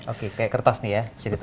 oke kayak kertas nih ya ceritanya